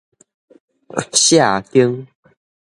卸肩